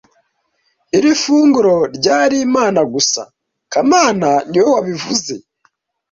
Iri funguro ryari imana gusa kamana niwe wabivuze